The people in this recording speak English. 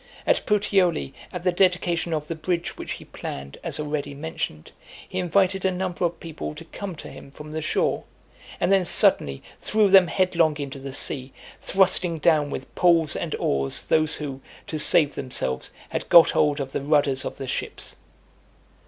At Puteoli, at the dedication of the bridge which he planned, as already mentioned , he invited a number of people to come to him from the shore, and then suddenly, threw them headlong into the sea; thrusting down with poles and oars those who, to save themselves, had got hold of the rudders of the ships.